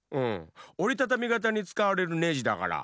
おりたたみがたにつかわれるネジだから。